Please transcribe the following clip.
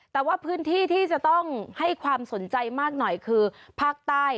แต่ว่าพื้นที่ที่จะต้องให้ความสนใจมากหน่อยคือภาคใต้